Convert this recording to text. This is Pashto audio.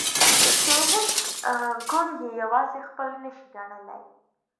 چې هیڅ ګوند یې یوازې خپل نشي ګڼلای.